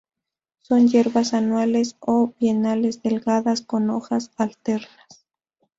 Son hierbas anuales o bienales delgadas con hojas alternas.